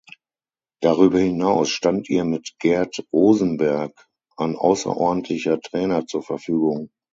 Darüber hinaus stand ihr mit Gerd Osenberg ein außerordentlicher Trainer zur Verfügung.